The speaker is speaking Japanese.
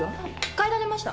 帰られました。